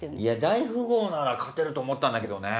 大富豪なら勝てると思ったんだけどね。